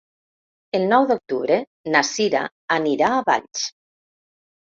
El nou d'octubre na Sira anirà a Valls.